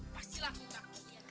pasti laku kak